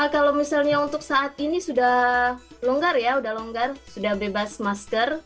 kalau misalnya untuk saat ini sudah longgar ya sudah bebas masker